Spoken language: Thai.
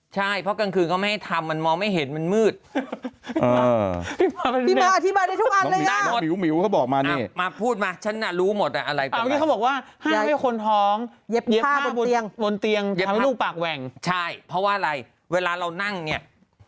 ใช่เพราะว่าอะไรเวลาเรานั่งเนี่ย